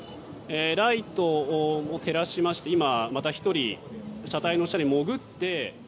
ライトを照らしまして今、また１人車体の下にもぐって。